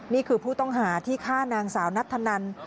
นี่คือผู้ต้องหาที่ฆ่านางสาวนัทธนัน